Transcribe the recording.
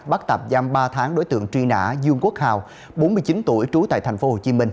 bắt tạm giam ba tháng đối tượng truy nã dương quốc hào bốn mươi chín tuổi trú tại tp hcm